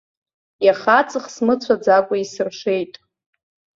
Иаха аҵых смыцәаӡакәа исыршеит.